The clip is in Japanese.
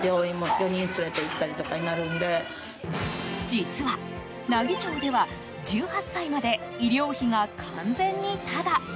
実は、奈義町では１８歳まで医療費が完全にタダ。